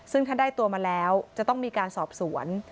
ซึ่งถ้าได้ตัวมาแล้วจะต้องมีการสอบสวน